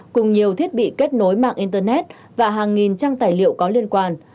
cùng nhiều thiết bị kết nối mạng internet và hàng nghìn trang tài liệu có liên quan